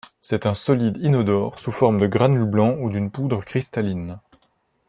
C'est un solide inodore sous forme de granules blancs ou d'une poudre cristalline.